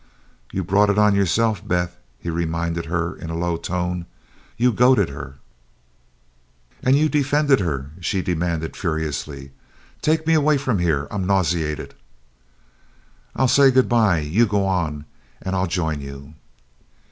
"You brought it on yourself, Beth," he reminded her in a low tone. "You goaded her," "And you defend her?" she demanded, furiously. "Take me away from here I'm nauseated!" "I'll say good bye you go on, and I'll join you."